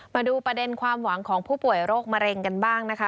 มาดูประเด็นความหวังของผู้ป่วยโรคมะเร็งกันบ้างนะคะ